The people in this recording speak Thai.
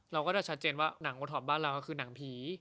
เราก็จะชัดเจนว่าหนังโอท็อปบ้านเราก็คือหนังผี